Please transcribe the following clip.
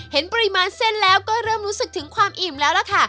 เห็นปริมาณเส้นแล้วก็เริ่มรู้สึกถึงความอิ่มแล้วล่ะค่ะ